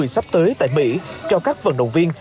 sắp tới tại mỹ cho các vận động viên